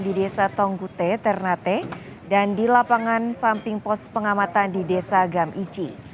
di desa tonggute ternate dan di lapangan samping pos pengamatan di desa gamici